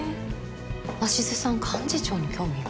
鷲津さん幹事長に興味が？